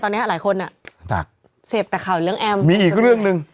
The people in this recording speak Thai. ตอนนี้หลายคนอ่ะจากเสพแต่ข่าวเรื่องแอมมีอีกเรื่องหนึ่ง